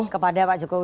kepada pak jokowi